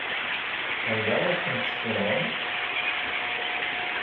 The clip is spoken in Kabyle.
Anda ay ten-tessunɣem?